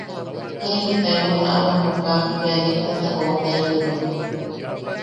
Jaiki taewata ama jokaa bea listata jootaitiwak.